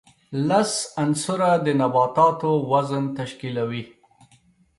لس عنصره د نباتاتو وزن تشکیلوي.